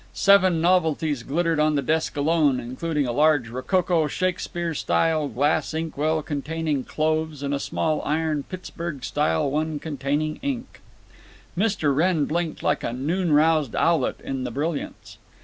Seven Novelties glittered on the desk alone, including a large rococo Shakespeare style glass ink well containing cloves and a small iron Pittsburg style one containing ink. Mr. Wrenn blinked like a noon roused owlet in the brilliance.